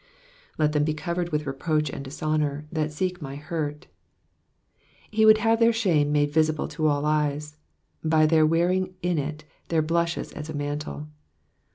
Z>^ thetn he covered with reproach and dishonour that seek my hurW^ He would have their shame made visible to all eyes, by their wearing it in their blushes as a mantle.